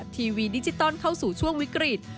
ทีวีดิจิตอลเข้าสู่ช่วงวิกฤต